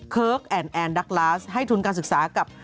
เคิร์กแอนด์แอนด์ดัคลาสให้ทุนการศึกษากับ